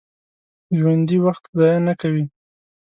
ژوندي وخت ضایع نه کوي